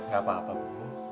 gak apa apa bu